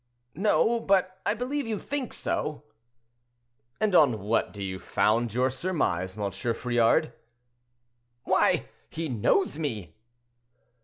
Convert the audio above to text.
"No; but I believe you think so." "And on what do you found your surmise, M. Friard?" "Why, he knows me!"